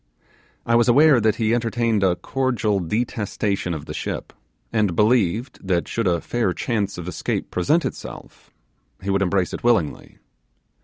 I was aware that he entertained a cordial detestation of the ship, and believed that, should a fair chance of escape present itself, he would embrace it willingly.